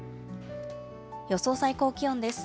予想最高気温です。